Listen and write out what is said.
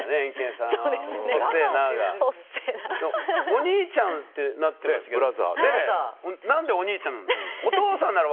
お兄ちゃんってなってますけど何でお兄ちゃんなの？